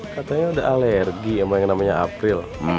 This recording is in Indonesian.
katanya udah alergi sama yang namanya april